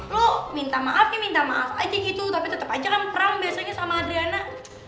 lo minta maafnya minta maaf aja gitu tapi tetep aja kan pram biasanya sama adriana